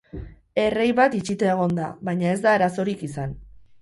Errei bat itxita egon da, baina ez da arazorik izan.